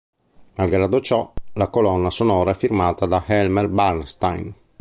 Malgrado ciò, la colonna sonora è firmata da Elmer Bernstein.